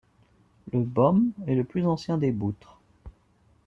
Le bhum est le plus ancien des boutres.